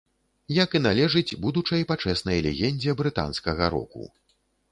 Як і належыць будучай пачэснай легендзе брытанскага року.